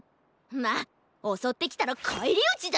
まあおそってきたらかえりうちだ！